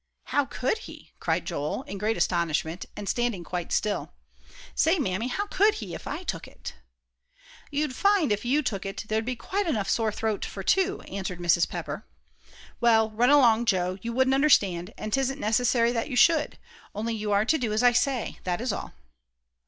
"How could he?" cried Joel, in great astonishment, and standing quite still. "Say, Mammy, how could he, if I took it?" "You'd find if you took it there'd be quite enough sore throat for two," answered Mrs. Pepper. "Well, run along, Joe, you wouldn't understand, and 'tisn't necessary that you should; only you are to do as I say, that's all."